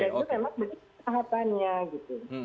itu memang begitu tahapannya gitu